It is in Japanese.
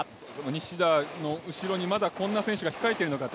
西田の後ろにまだこんな選手が控えてるのかって